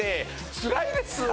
つらいです！